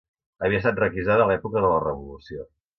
Havia estat requisada a l'època de la revolució